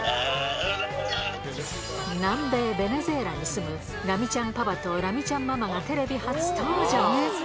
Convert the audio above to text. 南米ベネズエラに住む、ラミちゃんパパとラミちゃんママがテレビ初登場。